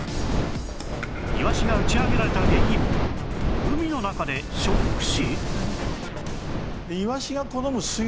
イワシが打ち上げられた原因海の中でショック死？